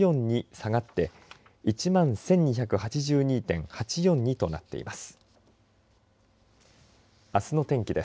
下がって１万１２８２．８４２となっています。